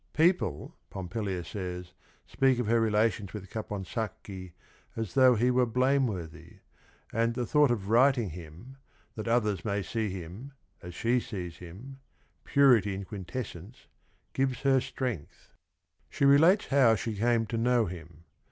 People, Pompilia says, speak of her relations with Caponsacch i as though he were blameworthy, and the thought of righting him, that others may see him, as she sees him, — "purity in quin tessence," — gives her strength. She relates Sow POMPILIA 113 she came to know him.